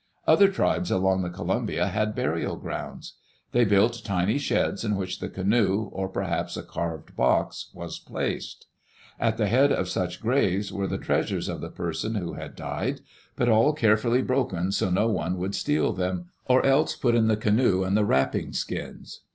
Other tribes along the Co lumbia had burial grounds. They built tiny sheds in which the canoe, or perhaps a carved box, was placed. At the head of such graves were the treasures of the person who had died, but all carefully broken so no one would steal them, or else put in the canoe and the wrapping skins.